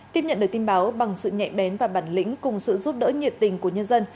tiếp nhận được tin báo bằng sự nhẹ bén và bản lĩnh cùng sự giúp đỡ nhiệt tình của nhân dân